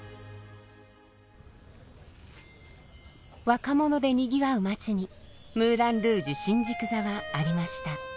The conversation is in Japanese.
若者でにぎわう街にムーラン・ルージュ新宿座はありました。